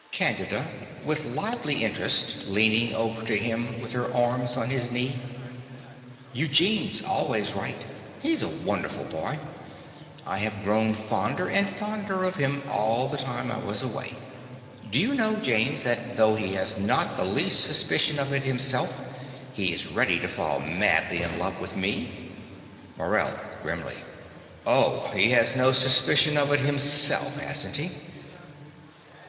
CANDIDA (with lively interest, leaning over to him with her arms on his knee). Eugene's always right. He's a wonderful boy: I have grown fonder and fonder of him all the time I was away. Do you know, James, that though he has not the least suspicion of it himself, he is ready to fall madly in love with me? MORELL (grimly). Oh, he has no suspicion of it himself, hasn't he?